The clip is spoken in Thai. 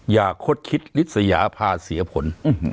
อย่าคดคิดฤทธิ์สยาภาษีเสียผล